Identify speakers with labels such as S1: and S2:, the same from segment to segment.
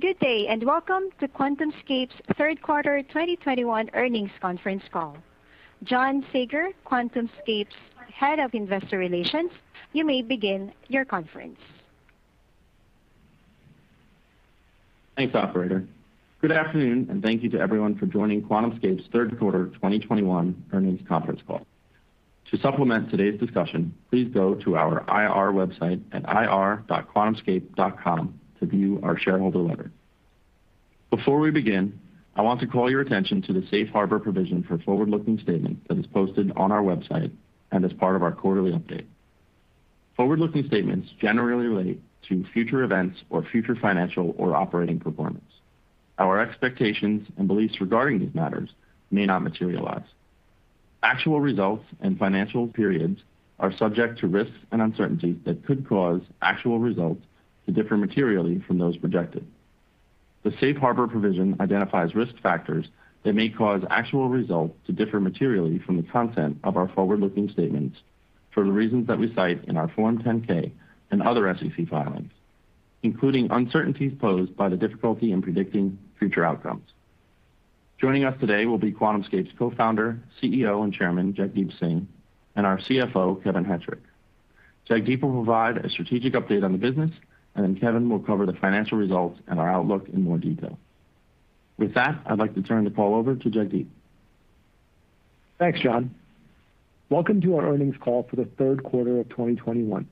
S1: Good day, and welcome to QuantumScape's third quarter 2021 earnings conference call. John Saager, QuantumScape's Head of Investor Relations, you may begin your conference.
S2: Thanks, operator. Good afternoon, and thank you to everyone for joining QuantumScape's third quarter 2021 earnings conference call. To supplement today's discussion, please go to our IR website at ir.quantumscape.com to view our shareholder letter. Before we begin, I want to call your attention to the safe harbor provision for forward-looking statements that is posted on our website and as part of our quarterly update. Forward-looking statements generally relate to future events or future financial or operating performance. Our expectations and beliefs regarding these matters may not materialize. Actual results and financial periods are subject to risks and uncertainties that could cause actual results to differ materially from those projected. The safe harbor provision identifies Risk Factors that may cause actual results to differ materially from the content of our forward-looking statements for the reasons that we cite in our Form 10-K and other SEC filings, including uncertainties posed by the difficulty in predicting future outcomes. Joining us today will be QuantumScape's Co-Founder, CEO, and Chairman, Jagdeep Singh, and our CFO, Kevin Hettrich. Jagdeep will provide a strategic update on the business, and then Kevin will cover the financial results and our outlook in more detail. With that, I'd like to turn the call over to Jagdeep.
S3: Thanks, John. Welcome to our earnings call for the third quarter of 2021.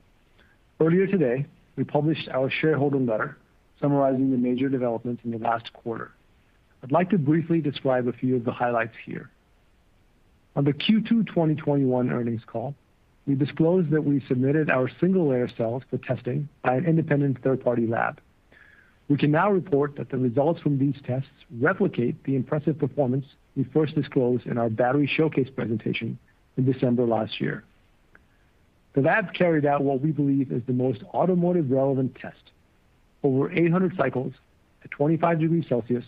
S3: Earlier today, we published our shareholder letter summarizing the major developments in the last quarter. I'd like to briefly describe a few of the highlights here. On the Q2 2021 earnings call, we disclosed that we submitted our single-layer cells for testing by an independent third-party lab. We can now report that the results from these tests replicate the impressive performance we first disclosed in our battery showcase presentation in December last year. The lab carried out what we believe is the most automotive-relevant test over 800 cycles at 25 degrees Celsius,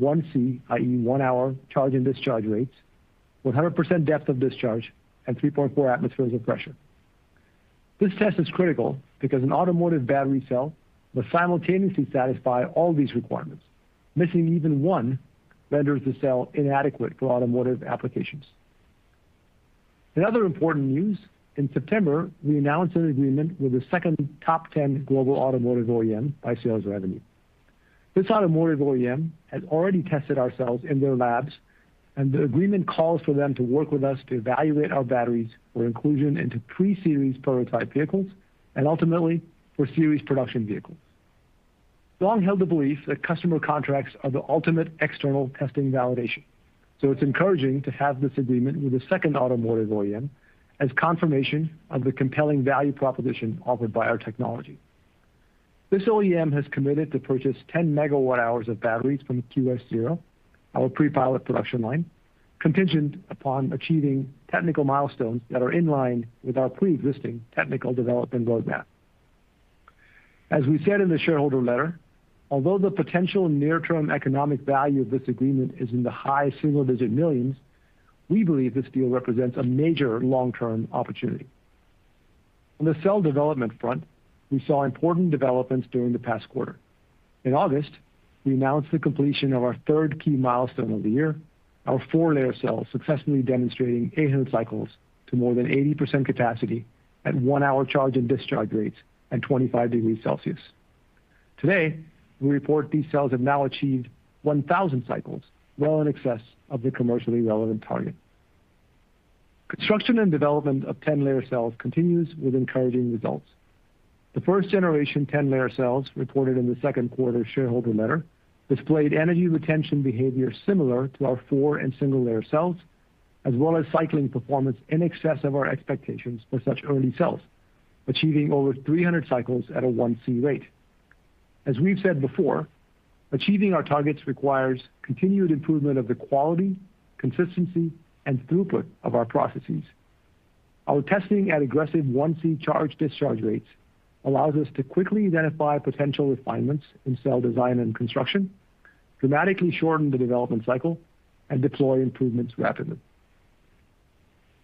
S3: 1C, i.e., one hour charge and discharge rates, 100% depth of discharge, and 3.4 atmospheres of pressure. This test is critical because an automotive battery cell must simultaneously satisfy all these requirements. Missing even one renders the cell inadequate for automotive applications. In other important news, in September, we announced an agreement with the second top ten global automotive OEM by sales revenue. This automotive OEM has already tested our cells in their labs, and the agreement calls for them to work with us to evaluate our batteries for inclusion into pre-series prototype vehicles and ultimately for series production vehicles. We've long held the belief that customer contracts are the ultimate external testing validation, so it's encouraging to have this agreement with the second automotive OEM as confirmation of the compelling value proposition offered by our technology. This OEM has committed to purchase 10 MWh of batteries from QS-0, our pre-pilot production line, contingent upon achieving technical milestones that are in line with our preexisting technical development roadmap. As we said in the shareholder letter, although the potential near-term economic value of this agreement is in the dollar high single-digit millions, we believe this deal represents a major long-term opportunity. On the cell development front, we saw important developments during the past quarter. In August, we announced the completion of our third key milestone of the year, our four layer cells successfully demonstrating 800 cycles to more than 80% capacity at one hour charge and discharge rates at 25 degrees Celsius. Today, we report these cells have now achieved 1,000 cycles, well in excess of the commercially relevant target. Construction and development of 10 layer cells continues with encouraging results. The first-generation 10-layer cells reported in the second quarter shareholder letter displayed energy retention behavior similar to our four and single-layer cells, as well as cycling performance in excess of our expectations for such early cells, achieving over 300 cycles at a 1C rate. As we've said before, achieving our targets requires continued improvement of the quality, consistency, and throughput of our processes. Our testing at aggressive 1C charge-discharge rates allows us to quickly identify potential refinements in cell design and construction, dramatically shorten the development cycle, and deploy improvements rapidly.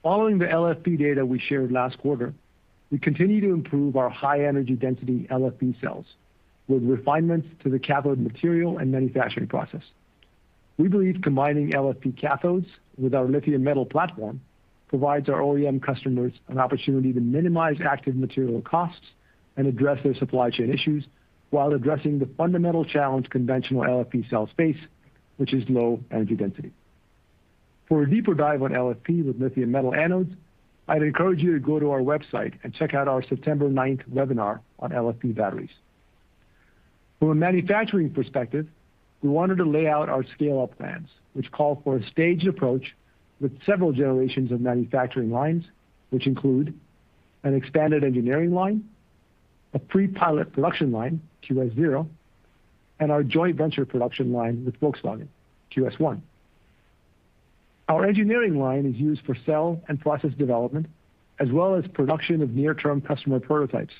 S3: Following the LFP data we shared last quarter, we continue to improve our high-energy-density LFP cells with refinements to the cathode material and manufacturing process. We believe combining LFP cathodes with our lithium metal platform provides our OEM customers an opportunity to minimize active material costs and address their supply chain issues while addressing the fundamental challenge conventional LFP cells face, which is low energy density. For a deeper dive on LFP with lithium metal anodes, I'd encourage you to go to our website and check out our September ninth webinar on LFP batteries. From a manufacturing perspective, we wanted to lay out our scale-up plans, which call for a staged approach with several generations of manufacturing lines, which include an expanded engineering line, a pre-pilot production line, QS zero, and our joint venture production line with Volkswagen, QS one. Our engineering line is used for cell and process development as well as production of near-term customer prototypes.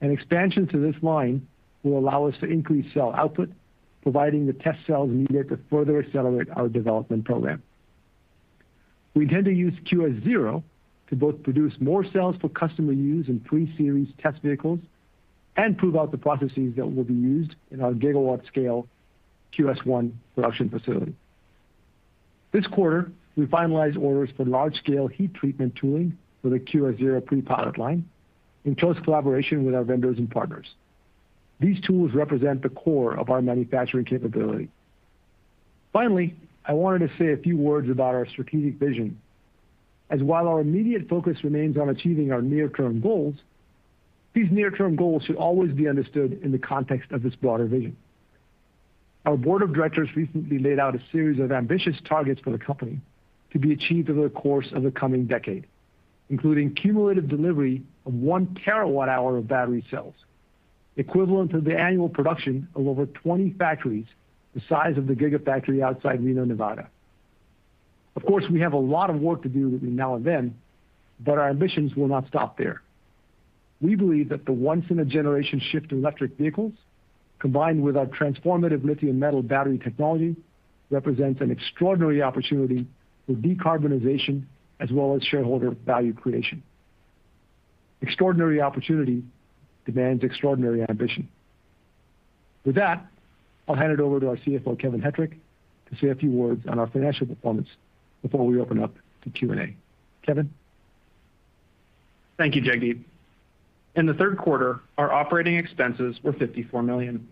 S3: An expansion to this line will allow us to increase cell output, providing the test cells needed to further accelerate our development program. We intend to use QS0 to both produce more cells for customer use in pre-series test vehicles and prove out the processes that will be used in our gigawatt scale QS1 production facility. This quarter, we finalized orders for large scale heat treatment tooling for the QS0 pre-pilot line in close collaboration with our vendors and partners. These tools represent the core of our manufacturing capability. Finally, I wanted to say a few words about our strategic vision, as while our immediate focus remains on achieving our near-term goals, these near-term goals should always be understood in the context of this broader vision. Our board of directors recently laid out a series of ambitious targets for the company to be achieved over the course of the coming decade, including cumulative delivery of 1 terawatt-hour of battery cells, equivalent to the annual production of over 20 factories the size of the Gigafactory outside Reno, Nevada. Of course, we have a lot of work to do between now and then, but our ambitions will not stop there. We believe that the once in a generation shift to electric vehicles, combined with our transformative lithium metal battery technology, represents an extraordinary opportunity for decarbonization as well as shareholder value creation. Extraordinary opportunity demands extraordinary ambition. With that, I'll hand it over to our CFO, Kevin Hettrich, to say a few words on our financial performance before we open up to Q&A. Kevin?
S4: Thank you, Jagdeep. In the third quarter, our operating expenses were $54 million.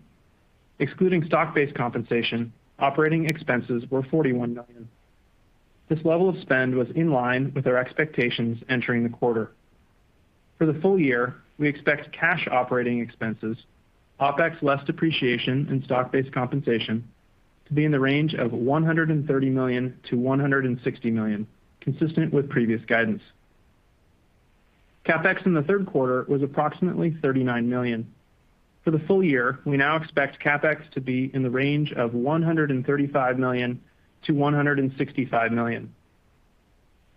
S4: Excluding stock-based compensation, operating expenses were $41 million. This level of spend was in line with our expectations entering the quarter. For the full-year, we expect cash operating expenses, OpEx less depreciation and stock-based compensation, to be in the range of $130 million-$160 million, consistent with previous guidance. CapEx in the third quarter was approximately $39 million. For the full-year, we now expect CapEx to be in the range of $135 million-$165 million.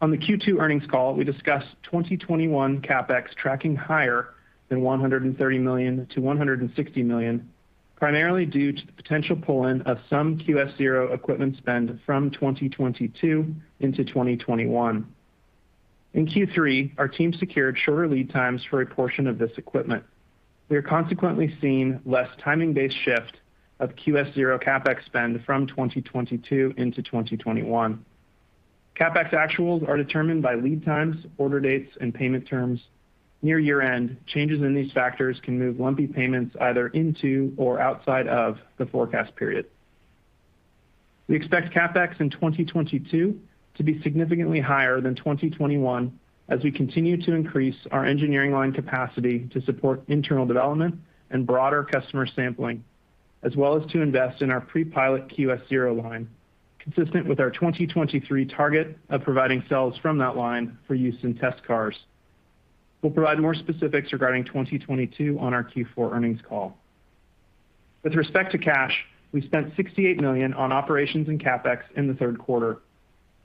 S4: On the Q2 earnings call, we discussed 2021 CapEx tracking higher than $130 million-$160 million, primarily due to the potential pull-in of some QS0 equipment spend from 2022 into 2021. In Q3, our team secured shorter lead times for a portion of this equipment. We are consequently seeing less timing-based shift of QS-0 CapEx spend from 2022 into 2021. CapEx actuals are determined by lead times, order dates, and payment terms. Near year-end, changes in these factors can move lumpy payments either into or outside of the forecast period. We expect CapEx in 2022 to be significantly higher than 2021 as we continue to increase our engineering line capacity to support internal development and broader customer sampling, as well as to invest in our pre-pilot QS-0 line, consistent with our 2023 target of providing cells from that line for use in test cars. We'll provide more specifics regarding 2022 on our Q4 earnings call. With respect to cash, we spent $68 million on operations and CapEx in the third quarter.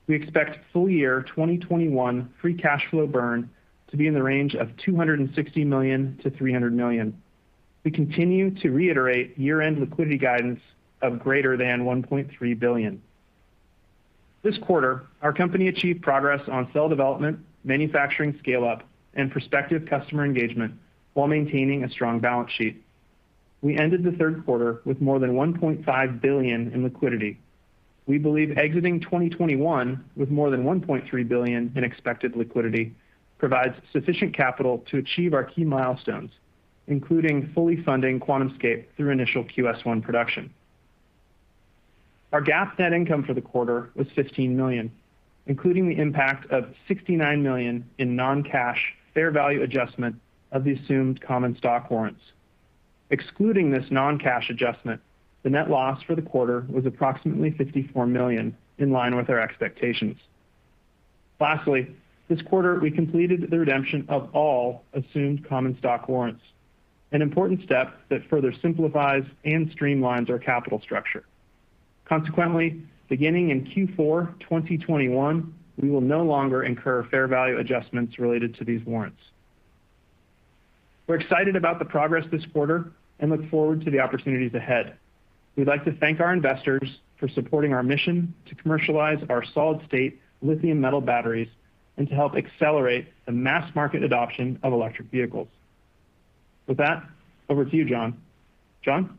S4: We expect full-year 2021 free cash flow burn to be in the range of $260 million-$300 million. We continue to reiterate year-end liquidity guidance of greater than $1.3 billion. This quarter, our company achieved progress on cell development, manufacturing scale-up, and prospective customer engagement while maintaining a strong balance sheet. We ended the third quarter with more than $1.5 billion in liquidity. We believe exiting 2021 with more than $1.3 billion in expected liquidity provides sufficient capital to achieve our key milestones, including fully funding QuantumScape through initial QS1 production. Our GAAP net income for the quarter was $15 million, including the impact of $69 million in non-cash fair value adjustment of the assumed common stock warrants. Excluding this non-cash adjustment, the net loss for the quarter was approximately $54 million, in line with our expectations. Lastly, this quarter, we completed the redemption of all assumed common stock warrants, an important step that further simplifies and streamlines our capital structure. Consequently, beginning in Q4 2021, we will no longer incur fair value adjustments related to these warrants. We're excited about the progress this quarter and look forward to the opportunities ahead. We'd like to thank our investors for supporting our mission to commercialize our solid-state lithium metal batteries and to help accelerate the mass market adoption of electric vehicles. With that, over to you, John. John?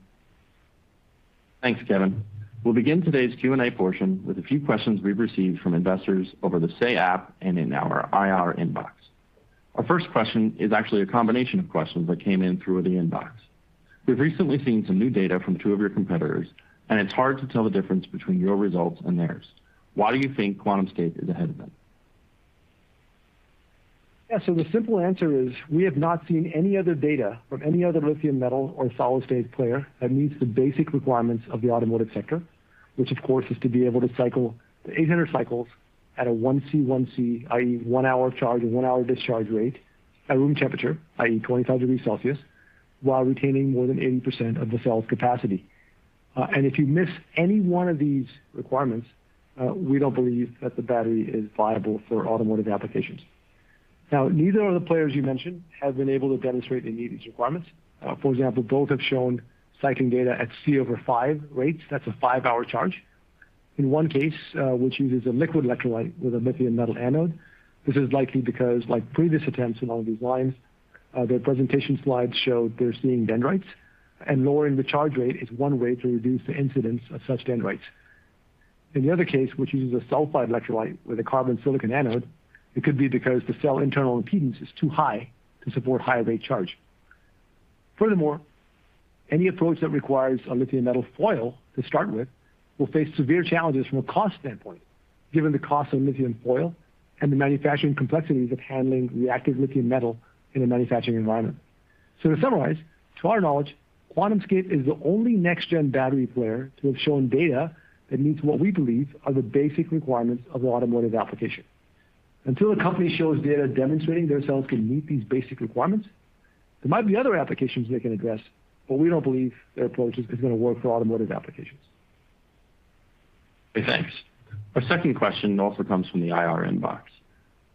S2: Thanks, Kevin. We'll begin today's Q&A portion with a few questions we've received from investors over the Say app and in our IR inbox. Our first question is actually a combination of questions that came in through the inbox. We've recently seen some new data from two of your competitors, and it's hard to tell the difference between your results and theirs. Why do you think QuantumScape is ahead of them?
S3: Yeah. The simple answer is we have not seen any other data from any other lithium metal or solid-state player that meets the basic requirements of the automotive sector, which of course, is to be able to cycle the 800 cycles at a 1C, i.e. one hour charge and one hour discharge rate at room temperature, i.e. 25 degrees Celsius, while retaining more than 80% of the cell's capacity. If you miss any one of these requirements, we don't believe that the battery is viable for automotive applications. Now, neither of the players you mentioned have been able to demonstrate they meet these requirements. For example, both have shown cycling data at C/5 rates. That's a five-hour charge. In one case, which uses a liquid electrolyte with a lithium metal anode, this is likely because like previous attempts along these lines, their presentation slides show they're seeing dendrites, and lowering the charge rate is one way to reduce the incidence of such dendrites. In the other case, which uses a sulfide electrolyte with a carbon silicon anode, it could be because the cell internal impedance is too high to support high rate charge. Furthermore, any approach that requires a lithium metal foil to start with will face severe challenges from a cost standpoint, given the cost of lithium foil and the manufacturing complexities of handling reactive lithium metal in a manufacturing environment. To summarize, to our knowledge, QuantumScape is the only next-gen battery player to have shown data that meets what we believe are the basic requirements of automotive application. Until a company shows data demonstrating their cells can meet these basic requirements, there might be other applications they can address, but we don't believe their approach is gonna work for automotive applications.
S2: Okay, thanks. Our second question also comes from the IR inbox.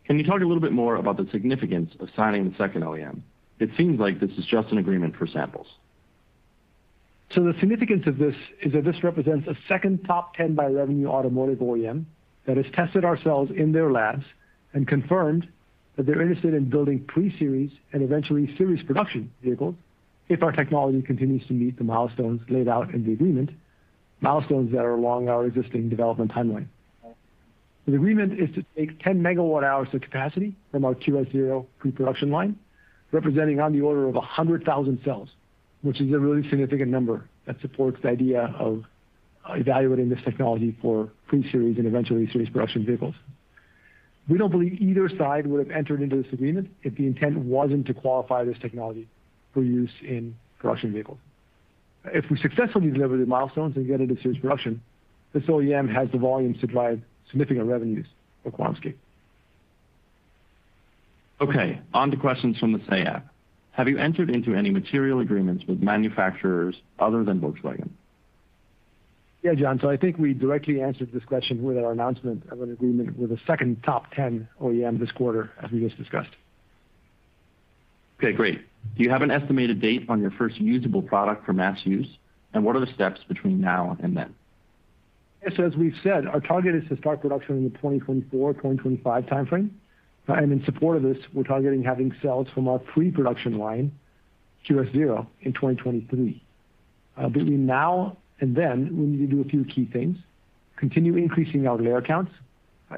S2: Can you talk a little bit more about the significance of signing the second OEM? It seems like this is just an agreement for samples.
S3: The significance of this is that this represents a second top 10 by revenue automotive OEM that has tested our cells in their labs and confirmed that they're interested in building pre-series and eventually series production vehicles if our technology continues to meet the milestones laid out in the agreement, milestones that are along our existing development timeline. The agreement is to take 10 megawatt hours of capacity from our QS Zero pre-production line, representing on the order of 100,000 cells, which is a really significant number that supports the idea of evaluating this technology for pre-series and eventually series production vehicles. We don't believe either side would have entered into this agreement if the intent wasn't to qualify this technology for use in production vehicles. If we successfully deliver the milestones and get into series production, this OEM has the volume to drive significant revenues for QuantumScape.
S2: Okay, onto questions from the Say app. Have you entered into any material agreements with manufacturers other than Volkswagen?
S3: Yeah, John, I think we directly answered this question with our announcement of an agreement with a second top ten OEM this quarter, as we just discussed.
S2: Okay, great. Do you have an estimated date on your first usable product for mass use, and what are the steps between now and then?
S3: Yes. As we've said, our target is to start production in the 2024-2025 timeframe. In support of this, we're targeting having cells from our pre-production line, QS Zero, in 2023. Between now and then we need to do a few key things, continue increasing our layer counts,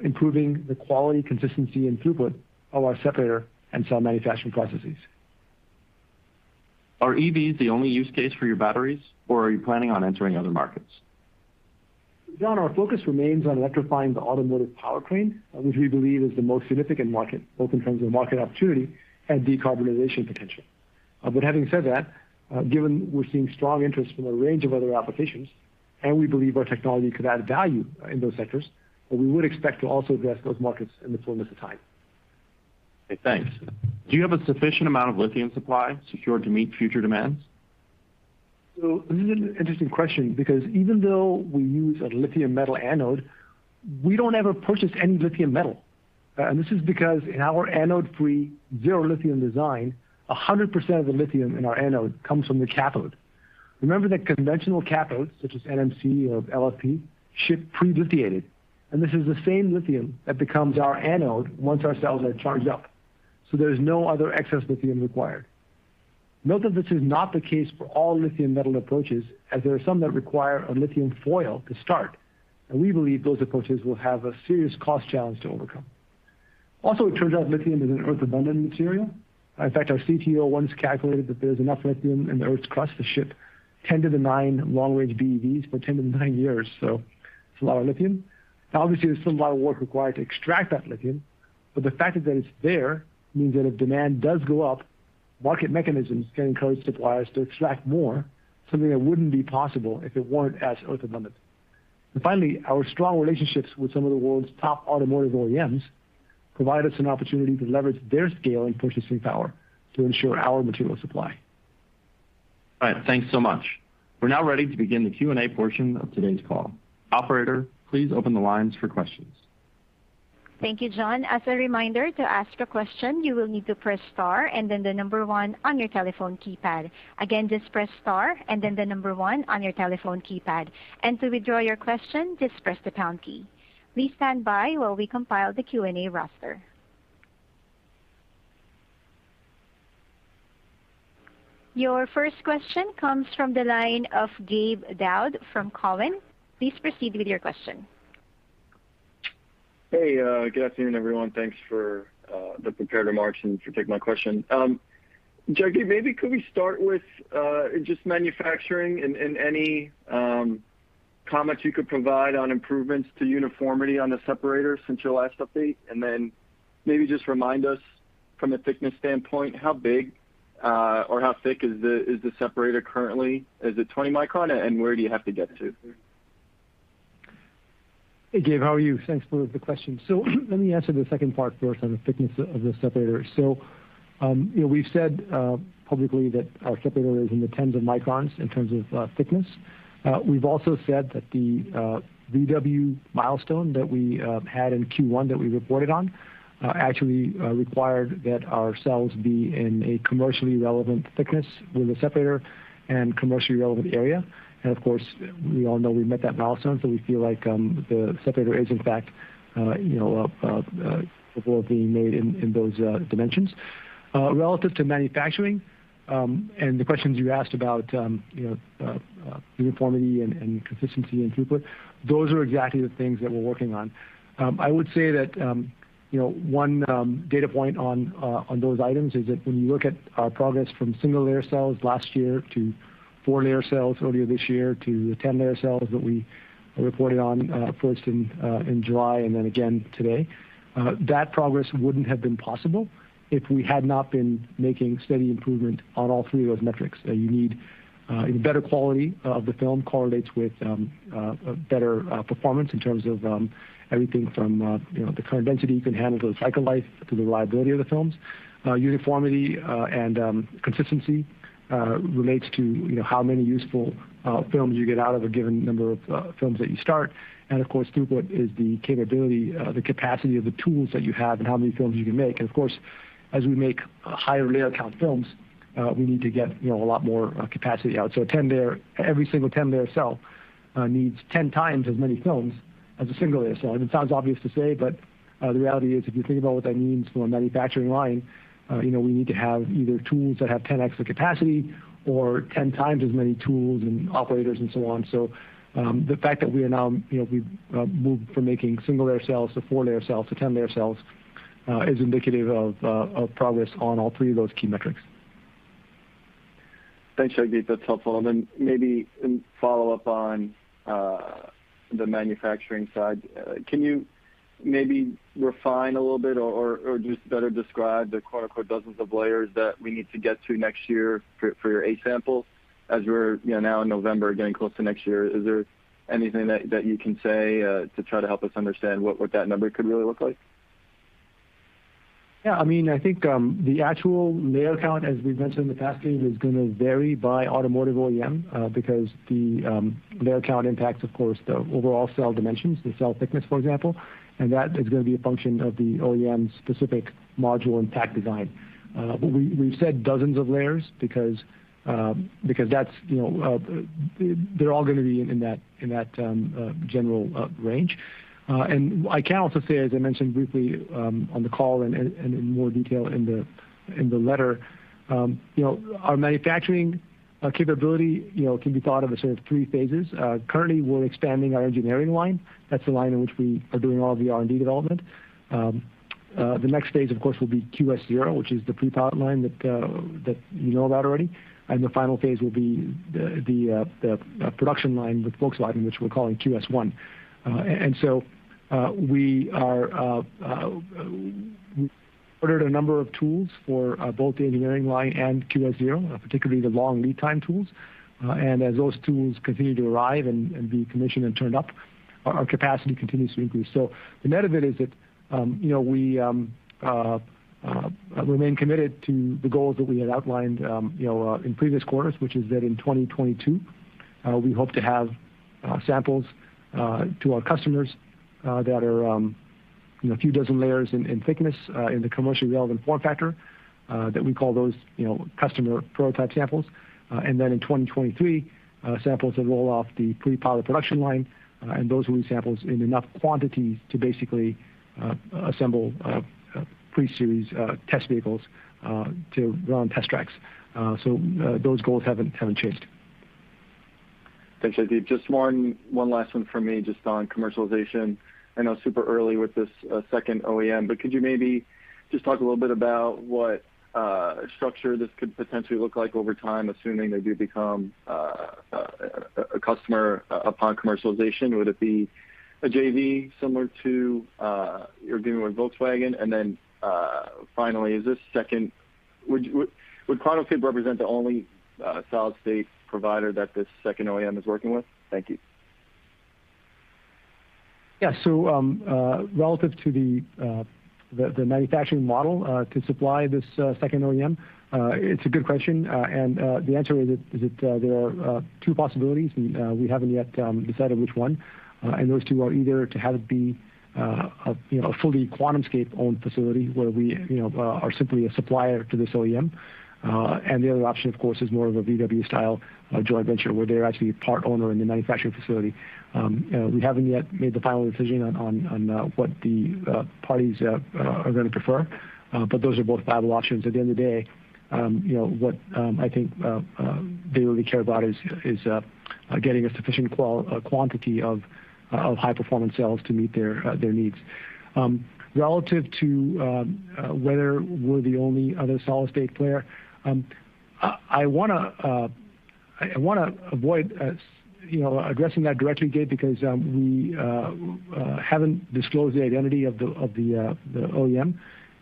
S3: improving the quality, consistency, and throughput of our separator and cell manufacturing processes.
S2: Are EVs the only use case for your batteries or are you planning on entering other markets?
S3: John, our focus remains on electrifying the automotive powertrain, which we believe is the most significant market, both in terms of market opportunity and decarbonization potential. Having said that, given we're seeing strong interest from a range of other applications and we believe our technology could add value, in those sectors, but we would expect to also address those markets in the fullness of time.
S2: Okay, thanks. Do you have a sufficient amount of lithium supply secured to meet future demands?
S3: This is an interesting question because even though we use a lithium metal anode, we don't ever purchase any lithium metal. This is because in our anode free zero lithium design, 100% of the lithium in our anode comes from the cathode. Remember that conventional cathodes, such as NMC or LFP, ship pre-lithiated, and this is the same lithium that becomes our anode once our cells are charged up. There is no other excess lithium required. Note that this is not the case for all lithium metal approaches, as there are some that require a lithium foil to start, and we believe those approaches will have a serious cost challenge to overcome. Also, it turns out lithium is an earth abundant material. In fact, our CTO once calculated that there's enough lithium in the earth's crust to ship 10^9 long range BEVs for 10^9 years. It's a lot of lithium. Now obviously, there's still a lot of work required to extract that lithium, but the fact that it's there means that if demand does go up, market mechanisms can encourage suppliers to extract more, something that wouldn't be possible if it weren't as earth abundant. Finally, our strong relationships with some of the world's top automotive OEMs provide us an opportunity to leverage their scale and purchasing power to ensure our material supply.
S2: All right, thanks so much. We're now ready to begin the Q&A portion of today's call. Operator, please open the lines for questions.
S1: Thank you, John. As a reminder, to ask a question, you will need to press star and then the number one on your telephone keypad. Again, just press star and then the number one on your telephone keypad. To withdraw your question, just press the pound key. Please stand by while we compile the Q&A roster. Your first question comes from the line of Gabe Daoud from Cowen. Please proceed with your question.
S5: Hey, good afternoon, everyone. Thanks for the prepared remarks and for taking my question. Jagdeep, maybe could we start with just manufacturing and any comments you could provide on improvements to uniformity on the separator since your last update, and then maybe just remind us from a thickness standpoint, how big or how thick is the separator currently? Is it 20 micron and where do you have to get to?
S3: Hey, Gabe, how are you? Thanks for the question. Let me answer the second part first on the thickness of the separator. You know, we've said publicly that our separator is in the tens of microns in terms of thickness. We've also said that the VW milestone that we had in Q1 that we reported on actually required that our cells be in a commercially relevant thickness with a separator and commercially relevant area. Of course, we all know we've met that milestone, so we feel like the separator is in fact you know before being made in those dimensions. Relative to manufacturing and the questions you asked about you know uniformity and consistency and throughput, those are exactly the things that we're working on. I would say that, you know, one data point on those items is that when you look at our progress from one layer cells last year to four layer cells earlier this year to the 10 layer cells that we reported on, first in July and then again today, that progress wouldn't have been possible if we had not been making steady improvement on all three of those metrics. You need better quality of the film correlates with better performance in terms of everything from you know the current density you can handle to the cycle life to the reliability of the films. Uniformity and consistency relates to you know how many useful films you get out of a given number of films that you start. Of course, throughput is the capability, the capacity of the tools that you have and how many films you can make. Of course, as we make higher layer count films, we need to get, you know, a lot more, capacity out. A 10-layer every single 10 layer cell needs 10x as many films as a single-layer cell. It sounds obvious to say, but the reality is, if you think about what that means for a manufacturing line, you know, we need to have either tools that have 10x capacity or 10x as many tools and operators and so on. The fact that we are now, you know, we've moved from making single-layer cells to four layer cells to 10 layer cells is indicative of progress on all three of those key metrics.
S5: Thanks, Jagdeep. That's helpful. Maybe in follow-up on the manufacturing side, can you maybe refine a little bit or just better describe the quote, unquote, dozens of layers that we need to get to next year for your A samples as we're, you know, now in November getting close to next year? Is there anything that you can say to try to help us understand what that number could really look like?
S3: Yeah, I mean, I think the actual layer count, as we've mentioned in the past, Gabe, is gonna vary by automotive OEM, because the layer count impacts, of course, the overall cell dimensions, the cell thickness, for example. That is gonna be a function of the OEM-specific module and pack design. We've said dozens of layers because that's, you know, they're all gonna be in that general range. I can also say, as I mentioned briefly, on the call and in more detail in the letter, you know, our manufacturing capability, you know, can be thought of as sort of three phases. Currently we're expanding our engineering line. That's the line in which we are doing all the R&D development. The next phase of course will be QS0, which is the pre-pilot line that you know about already. The final phase will be the production line with Volkswagen, which we're calling QS1. We ordered a number of tools for both the engineering line and QS0, particularly the long lead time tools. As those tools continue to arrive and be commissioned and turned up, our capacity continues to increase. The net of it is that, you know, we remain committed to the goals that we had outlined, you know, in previous quarters, which is that in 2022 we hope to have samples to our customers that are, you know, a few dozen layers in thickness in the commercially relevant form factor that we call those, you know, customer prototype samples. In 2023 samples that roll off the pre-pilot production line and those will be samples in enough quantity to basically assemble pre-series test vehicles to run test tracks. Those goals haven't changed.
S5: Thanks, Jagdeep. Just one last one from me, just on commercialization. I know it's super early with this second OEM, but could you maybe just talk a little bit about what structure this could potentially look like over time, assuming they do become a customer upon commercialization? Would it be a JV similar to what you're doing with Volkswagen? And then finally, would QuantumScape represent the only solid state provider that this second OEM is working with? Thank you.
S3: Yeah. Relative to the manufacturing model to supply this second OEM, it's a good question. The answer is that there are two possibilities and we haven't yet decided which one. Those two are either to have it be a you know a fully QuantumScape-owned facility where we you know are simply a supplier to this OEM. The other option of course is more of a VW-style joint venture where they're actually part owner in the manufacturing facility. We haven't yet made the final decision on what the parties are gonna prefer. Those are both viable options. At the end of the day, you know, what I think they really care about is getting a sufficient quantity of high performance cells to meet their needs. Relative to whether we're the only other solid-state player, I wanna avoid, you know, addressing that directly, Gabe, because we haven't disclosed the identity of the OEM.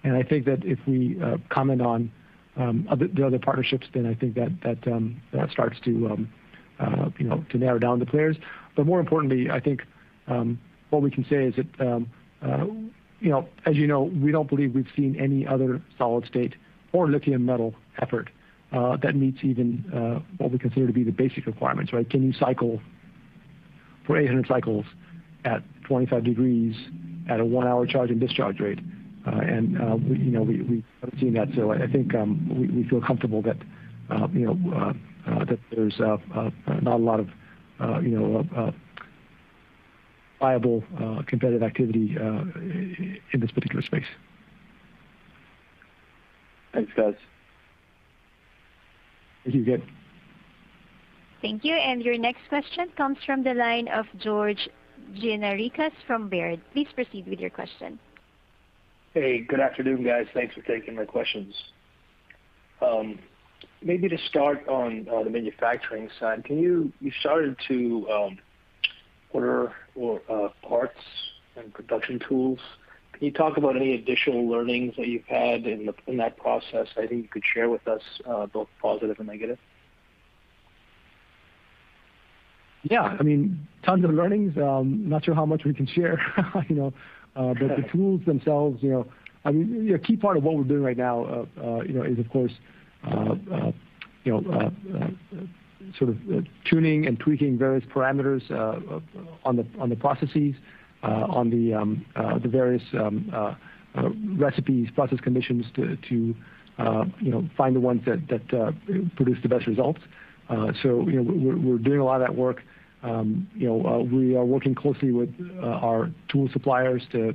S3: I think that if we comment on the other partnerships, then I think that that starts to, you know, to narrow down the players. More importantly, I think what we can say is that, you know, as you know, we don't believe we've seen any other solid-state or lithium metal effort that meets even what we consider to be the basic requirements, right? Can you cycle for 800 cycles at 25 degrees at a one hour charge and discharge rate? You know, we haven't seen that. I think we feel comfortable that, you know, that there's not a lot of, you know, viable competitive activity in this particular space.
S5: Thanks, guys.
S3: Thank you again.
S1: Thank you. Your next question comes from the line of George Gianarikas from Baird. Please proceed with your question.
S6: Hey, good afternoon, guys. Thanks for taking my questions. Maybe to start on the manufacturing side, you started to order parts and production tools. Can you talk about any additional learnings that you've had in that process that you could share with us, both positive and negative?
S3: Yeah. I mean, tons of learnings. Not sure how much we can share, you know. The tools themselves, you know. I mean, a key part of what we're doing right now, you know, is of course, you know, sort of tuning and tweaking various parameters on the processes, on the various recipes, process conditions to, you know, find the ones that produce the best results. You know, we're doing a lot of that work. You know, we are working closely with our tool suppliers to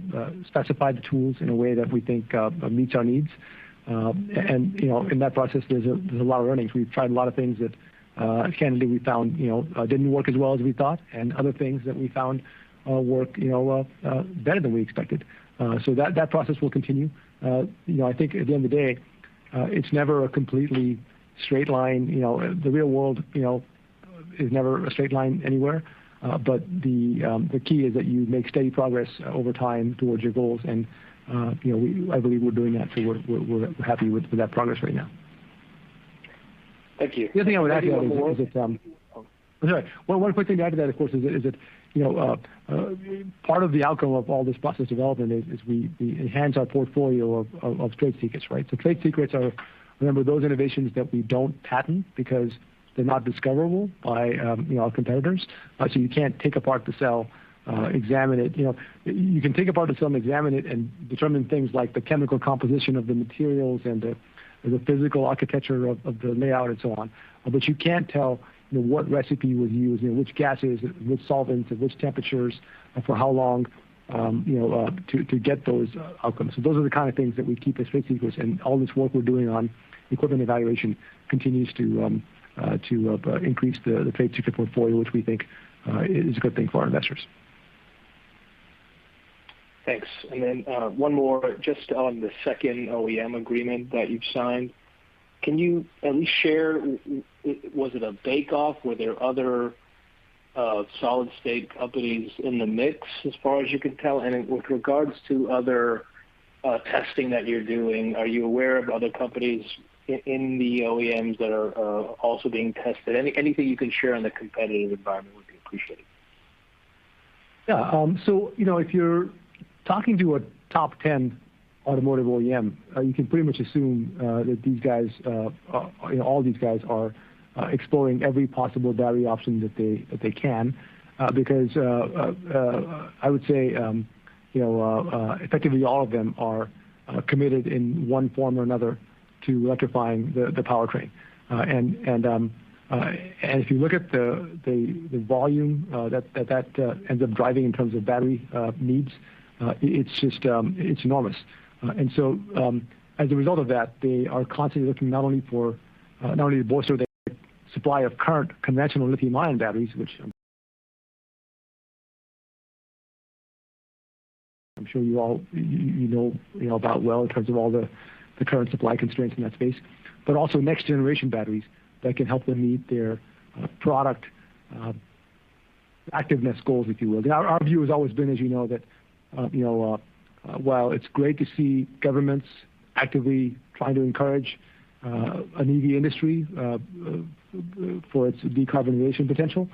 S3: specify the tools in a way that we think meets our needs. You know, in that process, there's a lot of learnings. We've tried a lot of things that, candidly, we found, you know, didn't work as well as we thought, and other things that we found work, you know, better than we expected. That process will continue. You know, I think at the end of the day, it's never a completely straight line. You know, the real world, you know, is never a straight line anywhere. The key is that you make steady progress over time towards your goals. You know, I believe we're doing that, so we're happy with that progress right now.
S6: Thank you.
S3: The other thing I would add to that is that.
S6: One more-
S3: Sorry. Well, one quick thing to add to that, of course, is that, you know, part of the outcome of all this process development is we enhance our portfolio of trade secrets, right? So trade secrets are, remember, those innovations that we don't patent because they're not discoverable by, you know, our competitors. So you can't take apart the cell, examine it. You know, you can take apart a cell and examine it and determine things like the chemical composition of the materials and the physical architecture of the layout and so on. But you can't tell, you know, what recipe was used and which gases, which solvents at which temperatures, and for how long, you know, to get those outcomes. So those are the kind of things that we keep as trade secrets. All this work we're doing on equipment evaluation continues to increase the trade secret portfolio, which we think is a good thing for our investors.
S6: Thanks. One more just on the second OEM agreement that you've signed. Can you at least share, was it a bake-off? Were there other solid-state companies in the mix as far as you can tell? With regards to other testing that you're doing, are you aware of other companies in the OEMs that are also being tested? Anything you can share on the competitive environment would be appreciated.
S3: Yeah, you know, if you're talking to a top ten automotive OEM, you can pretty much assume that these guys, you know, all these guys are exploring every possible battery option that they can because I would say you know effectively all of them are committed in one form or another to electrifying the powertrain. If you look at the volume that ends up driving in terms of battery needs, it's just enormous. As a result of that, they are constantly looking not only to bolster their supply of current conventional lithium-ion batteries, which I'm sure you all you know about well in terms of all the current supply constraints in that space, but also next-generation batteries that can help them meet their product attractiveness goals, if you will. Our view has always been, as you know, that while it's great to see governments actively trying to encourage an EV industry for its decarbonization potential,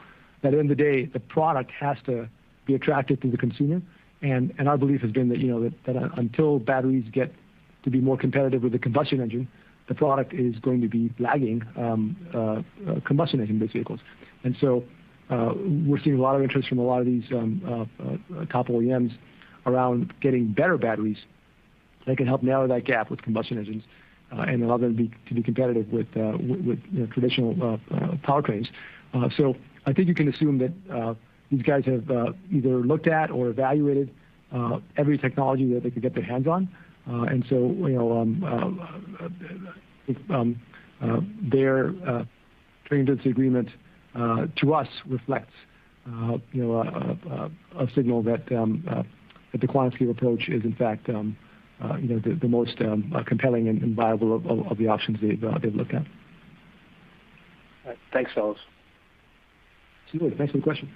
S3: at the end of the day, the product has to be attractive to the consumer. Our belief has been that, you know, that until batteries get to be more competitive with the combustion engine, the product is going to be lagging combustion engine-based vehicles. We're seeing a lot of interest from a lot of these top OEMs around getting better batteries that can help narrow that gap with combustion engines and allow them to be competitive with, you know, traditional powertrains. I think you can assume that these guys have either looked at or evaluated every technology that they could get their hands on. You know, they're entering into this agreement to us reflects you know a signal that the QuantumScape approach is in fact you know the most compelling and viable of the options they've looked at.
S6: All right. Thanks, Carlos.
S3: Sure. Thanks for the question.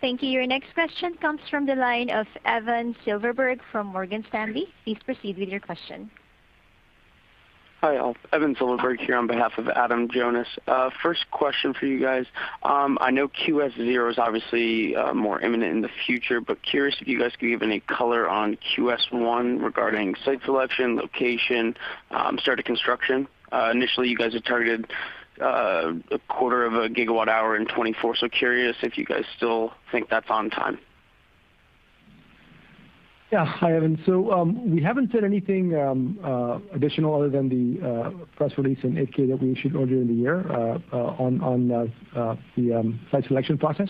S1: Thank you. Your next question comes from the line of Evan Silverberg from Morgan Stanley. Please proceed with your question.
S7: Hi, Evan Silverberg here on behalf of Adam Jonas. First question for you guys. I know QS zero is obviously more imminent in the future, but curious if you guys could give any color on QS one regarding site selection, location, start of construction. Initially, you guys had targeted a quarter of a gigawatt hour in 2024, so curious if you guys still think that's on time.
S3: Yeah. Hi, Evan. We haven't said anything additional other than the press release in 8-K that we issued earlier in the year on the site selection process.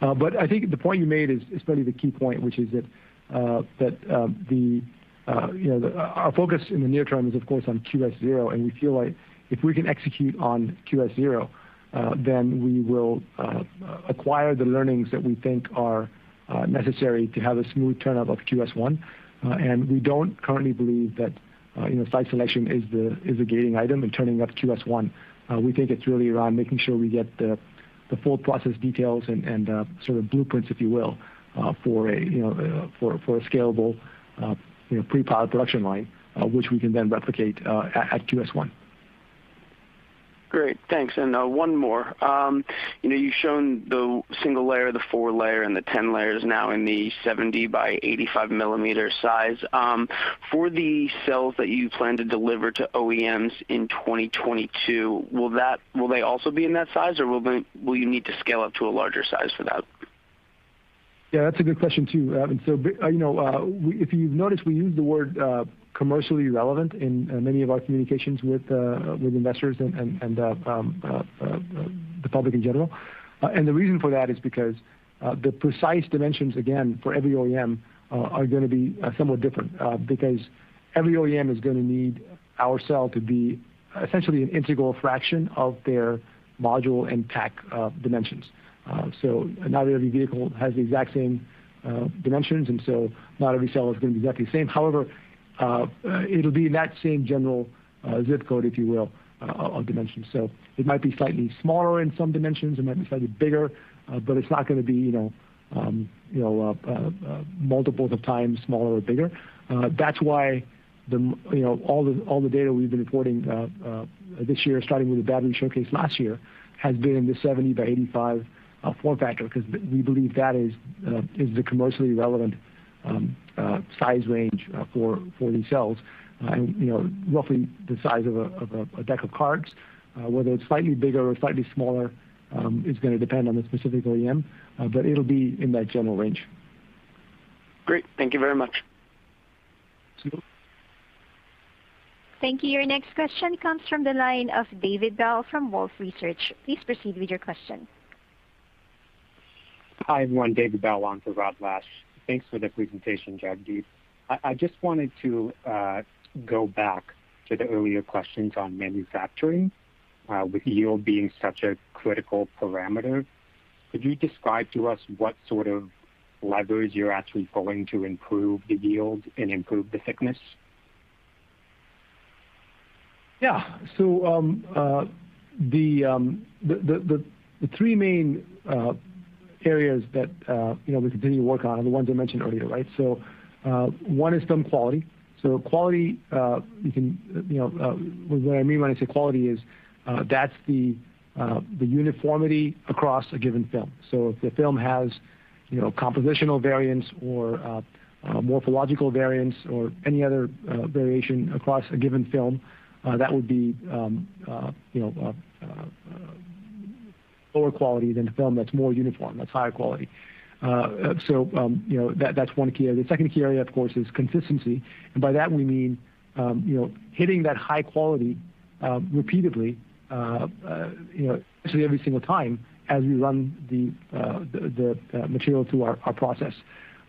S3: I think the point you made is probably the key point, which is that you know, our focus in the near term is of course on QS zero, and we feel like if we can execute on QS zero, then we will acquire the learnings that we think are necessary to have a smooth turn up of QS one. We don't currently believe that you know, site selection is the gating item in turning up QS one. We think it's really around making sure we get the full process details and sort of blueprints, if you will, for a scalable, you know, pre-pilot production line, which we can then replicate at QS-1.
S7: Great. Thanks. One more. You know, you've shown the single layer, the four layer, and the 10 layers now in the 70 mm by 85 mm size. For the cells that you plan to deliver to OEMs in 2022, will they also be in that size, or will you need to scale up to a larger size for that?
S3: Yeah, that's a good question too, Evan. You know, if you've noticed, we use the word commercially relevant in many of our communications with investors and the public in general. The reason for that is because the precise dimensions, again, for every OEM, are gonna be somewhat different because every OEM is gonna need our cell to be essentially an integral fraction of their module and pack dimensions. Not every vehicle has the exact same dimensions, and not every cell is gonna be exactly the same. However, it'll be in that same general zip code, if you will, of dimensions. It might be slightly smaller in some dimensions, it might be slightly bigger, but it's not gonna be, you know, multiples of times smaller or bigger. That's why, you know, all the data we've been reporting this year, starting with the battery showcase last year, has been in the 70 by 85 form factor, 'cause we believe that is the commercially relevant size range for these cells. You know, roughly the size of a deck of cards. Whether it's slightly bigger or slightly smaller is gonna depend on the specific OEM, but it'll be in that general range.
S7: Great. Thank you very much.
S3: Sure.
S1: Thank you. Your next question comes from the line of David Belle from Wolfe Research. Please proceed with your question.
S8: Hi, everyone. David Belle on for Rod Lache. Thanks for the presentation, Jagdeep. I just wanted to go back to the earlier questions on manufacturing. With yield being such a critical parameter, could you describe to us what sort of levers you're actually pulling to improve the yield and improve the thickness?
S3: Yeah. The three main areas that you know we continue to work on are the ones I mentioned earlier, right? One is film quality. Quality, you can you know what I mean when I say quality is that's the uniformity across a given film. If the film has you know compositional variance or morphological variance or any other variation across a given film, that would be you know lower quality than a film that's more uniform, that's higher quality. You know that's one key area. The second key area, of course, is consistency. By that we mean, you know, hitting that high quality repeatedly, you know, actually every single time as we run the material through our process.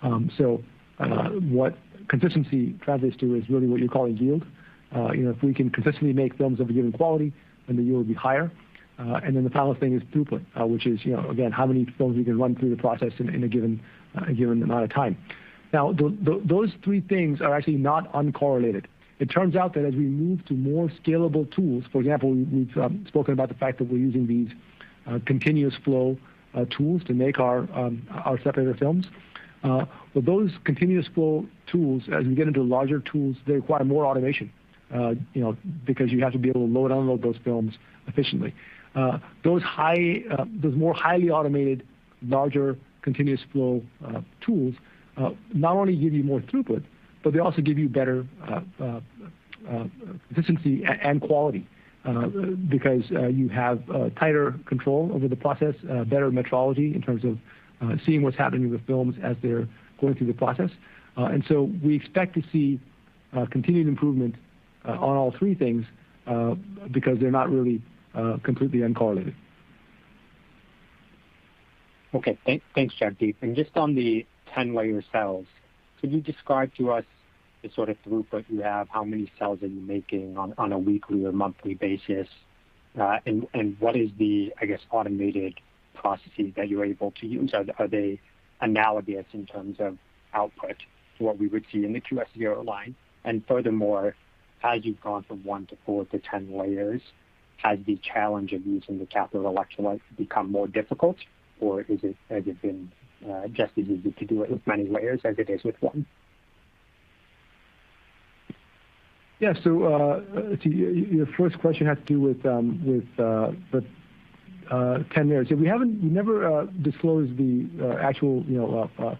S3: What consistency translates to is really what you're calling yield. You know, if we can consistently make films of a given quality, then the yield will be higher. The final thing is throughput, which is, you know, again, how many films we can run through the process in a given amount of time. Now, those three things are actually not uncorrelated. It turns out that as we move to more scalable tools, for example, we've spoken about the fact that we're using these continuous flow tools to make our separator films. Those continuous flow tools, as we get into larger tools, they require more automation, you know, because you have to be able to load and unload those films efficiently. Those more highly automated, larger continuous flow tools not only give you more throughput, but they also give you better consistency and quality because you have tighter control over the process, better metrology in terms of seeing what's happening with films as they're going through the process. We expect to see continued improvement on all three things because they're not really completely uncorrelated.
S8: Okay. Thanks, Jagdeep. Just on the 10 layer cells, could you describe to us the sort of throughput you have, how many cells are you making on a weekly or monthly basis? And what is the, I guess, automated processes that you're able to use? Are they analogous in terms of output to what we would see in the QS-0 line? Furthermore, as you've gone from one to four to 10 layers, has the challenge of using the catholyte become more difficult or is it, has it been just as easy to do it with many layers as it is with 1?
S3: Your first question had to do with the ten layers. We never disclose the actual, you know,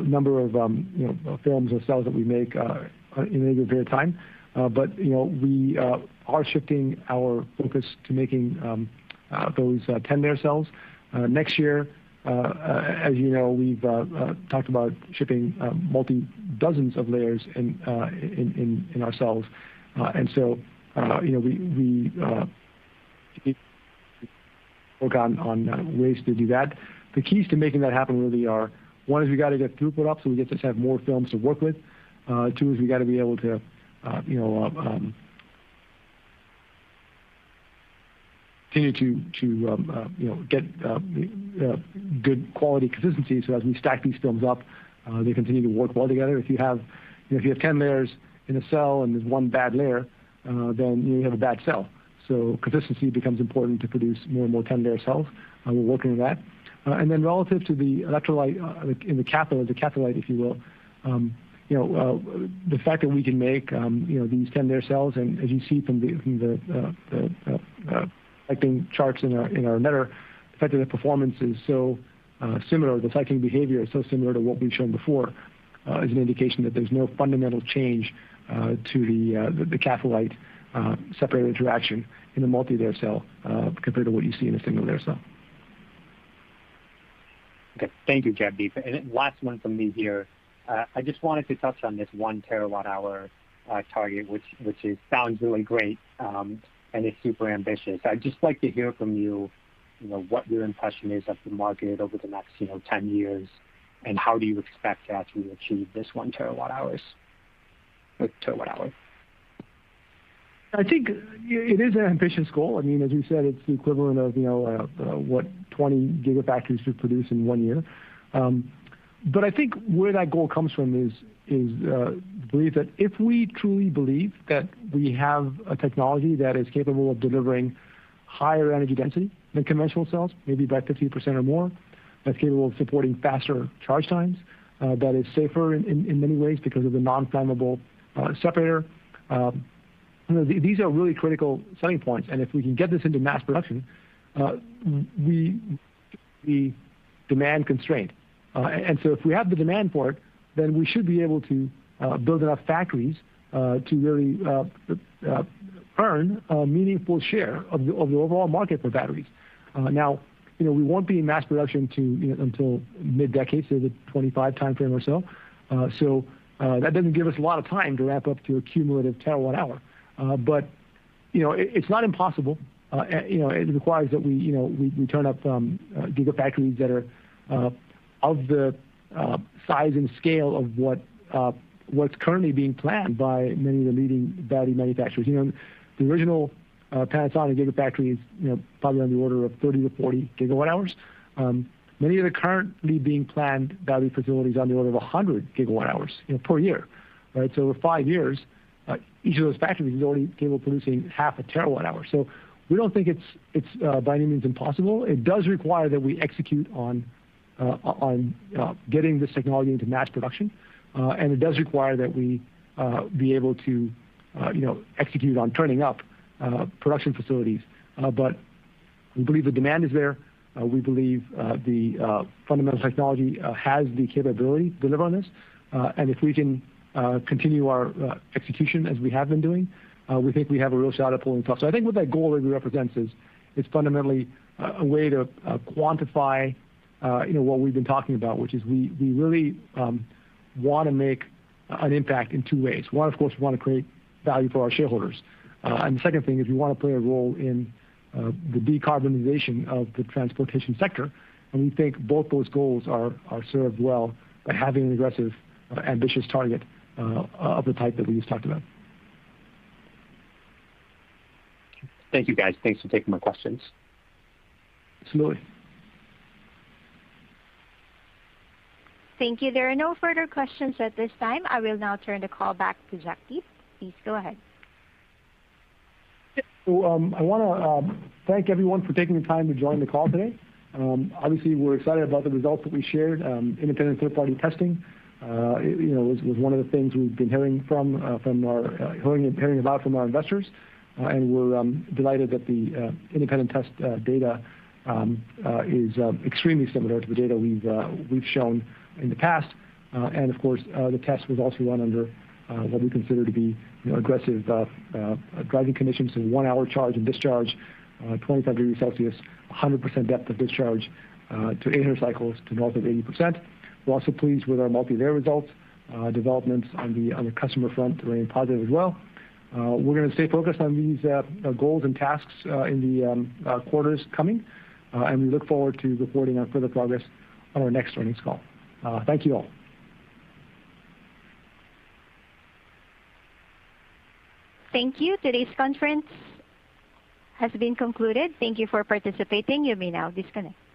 S3: number of, you know, films or cells that we make in any given period of time. You know, we are shifting our focus to making those ten-layer cells. Next year, as you know, we've talked about shipping multi dozens of layers in our cells. You know, we work on ways to do that. The keys to making that happen really are, one, we gotta get throughput up, so we get to have more films to work with. Two is we gotta be able to, you know, continue to, you know, get good quality consistency. As we stack these films up, they continue to work well together. If you have, you know, 10 layers in a cell and there's one bad layer, then you have a bad cell. Consistency becomes important to produce more and more 10-layer cells, and we're working on that. Relative to the electrolyte, like in the cathode, the catholyte, if you will, you know, the fact that we can make, you know, these ten-layer cells, and as you see from the charts in our letter, the fact that the performance is so similar, the cycling behavior is so similar to what we've shown before, is an indication that there's no fundamental change to the catholyte separator interaction in the multi-layer cell, compared to what you see in a single-layer cell.
S8: Okay. Thank you, Jagdeep. Last one from me here. I just wanted to touch on this 1 TWh target, which is sounds really great, and it's super ambitious. I'd just like to hear from you know, what your impression is of the market over the next, you know, 10 years, and how do you expect to actually achieve this 1 TWh?
S3: I think it is an ambitious goal. I mean, as you said, it's the equivalent of, you know, what 20 gigafactories should produce in one year. I think where that goal comes from is the belief that if we truly believe that we have a technology that is capable of delivering higher energy density than conventional cells, maybe by 15% or more, that's capable of supporting faster charge times, that is safer in many ways because of the non-flammable separator. These are really critical selling points, and if we can get this into mass production, we're demand constrained. If we have the demand for it, then we should be able to build enough factories to really earn a meaningful share of the overall market for batteries. Now, you know, we won't be in mass production until mid-decade, the 2025 timeframe or so. That doesn't give us a lot of time to ramp up to a cumulative terawatt hour. You know, it's not impossible. You know, it requires that we, you know, we turn up gigafactories that are of the size and scale of what's currently being planned by many of the leading battery manufacturers. You know, the original Panasonic gigafactory is, you know, probably on the order of 30 GWh-40 GWh. Many of the currently being planned battery facilities on the order of 100 GWh, you know, per year, right? Over five years, each of those factories is only capable of producing half a terawatt hour. We don't think it's by any means impossible. It does require that we execute on getting this technology into mass production. It does require that we be able to you know execute on turning up production facilities. We believe the demand is there. We believe the fundamental technology has the capability to deliver on this. If we can continue our execution as we have been doing, we think we have a real shot at pulling it off. I think what that goal really represents is it's fundamentally a way to quantify you know what we've been talking about, which is we really wanna make an impact in two ways. One, of course, we wanna create value for our shareholders. The second thing is we wanna play a role in the decarbonization of the transportation sector. We think both those goals are served well by having an aggressive ambitious target of the type that we just talked about.
S8: Thank you, guys. Thanks for taking my questions.
S3: Absolutely.
S1: Thank you. There are no further questions at this time. I will now turn the call back to Jagdeep. Please go ahead.
S3: Yeah. I wanna thank everyone for taking the time to join the call today. Obviously we're excited about the results that we shared. Independent third-party testing, you know, was one of the things we've been hearing about from our investors. We're delighted that the independent test data is extremely similar to the data we've shown in the past. Of course, the test was also run under what we consider to be, you know, aggressive driving conditions in 1-hour charge and discharge, 25 degrees Celsius, 100% depth of discharge, to 800 cycles to north of 80%. We're also pleased with our multi-layer results. Developments on the customer front remain positive as well. We're gonna stay focused on these goals and tasks in the quarters coming, and we look forward to reporting on further progress on our next earnings call. Thank you all.
S1: Thank you. Today's conference has been concluded. Thank you for participating. You may now disconnect.